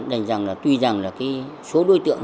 đành rằng là tuy rằng là cái số đối tượng